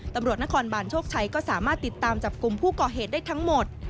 ตำรวจนครบานโชคชัยก็สามารถติดตามจับกลุ่มผู้ก่อเหตุได้ทั้งหมด